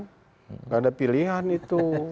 tidak ada pilihan itu